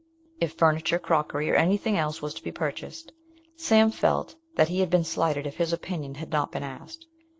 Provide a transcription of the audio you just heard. If furniture, crockery, or anything else was to be purchased, Sam felt that he had been slighted if his opinion had not been asked.